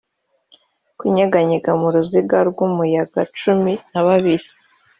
kunyeganyega mu ruziga rw'umuyaga cumi na kabiri,